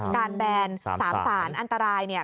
การแบนสามสารอันตรายเนี่ย